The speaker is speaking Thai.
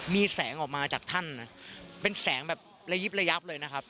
มีแสงออกมาจากท่านเป็นแสงแบบระยิบระยับเลยนะครับ